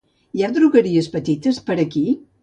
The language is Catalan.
Hi ha drogueries petites per aquí?